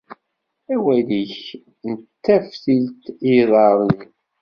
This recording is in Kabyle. Awal-ik d taftilt i yiḍarren-iw.